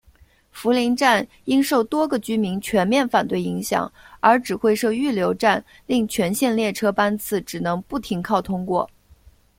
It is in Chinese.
福邻站因受多个居民全面反对影响而只会设预留站令全线列车班次只能不停靠通过。